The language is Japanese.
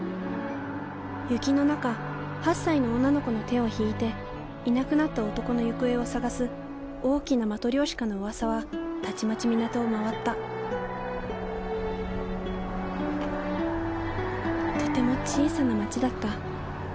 雪の中８歳の女の子の手を引いていなくなった男の行方を捜す大きなマトリョーシカのうわさはたちまち港を回ったとても小さな街だった。